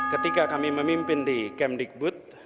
ketika kami memimpin di kemdikbud